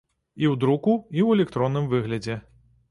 І ў друку, і ў электронным выглядзе.